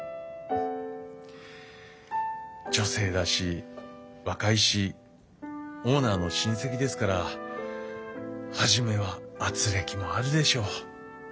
女性だし若いしオーナーの親戚ですから初めはあつれきもあるでしょう。